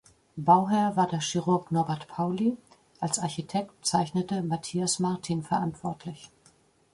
Bauherr war der Chirurg Norbert Pauly; als Architekt zeichnete Mathias Martin verantwortlich.